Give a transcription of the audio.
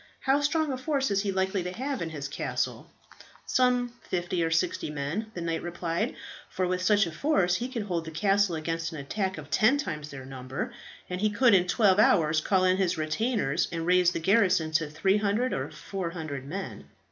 How strong a force is he likely to have in his castle?" "Some fifty or sixty men," the knight replied; "for with such a force he could hold the castle against an attack of ten times their number, and he could in twelve hours call in his retainers, and raise the garrison to 300 or 400 men."